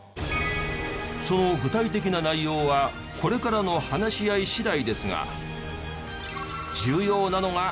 その具体的な内容はこれからの話し合い次第ですが。